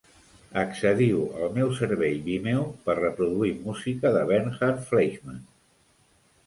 Accediu al meu servei Vimeo per reproduir música de Bernhard Fleischmann.